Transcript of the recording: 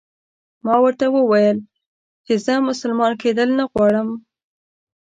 ما ورته وویل چې زه مسلمان کېدل نه غواړم.